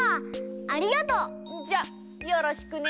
ありがとう！じゃよろしくね。